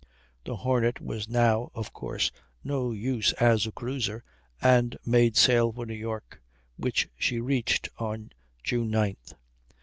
The Hornet was now of course no use as a cruiser, and made sail for New York, which she reached on June 9th.